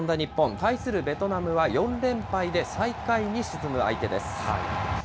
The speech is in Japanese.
対するベトナムは４連敗で最下位に沈む相手です。